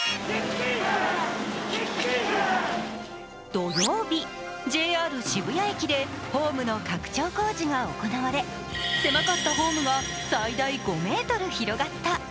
土曜日、ＪＲ渋谷駅でホームの拡張工事が行われ、狭かったホームが最大５ｍ広がった。